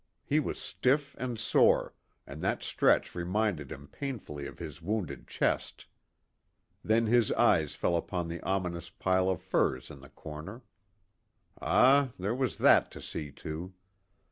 He was stiff and sore, and that stretch reminded him painfully of his wounded chest. Then his eyes fell upon the ominous pile of furs in the corner. Ah, there was that to see to.